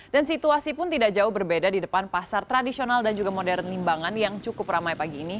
dan situasi pun tidak jauh berbeda di depan pasar tradisional dan juga modern limbangan yang cukup ramai pagi ini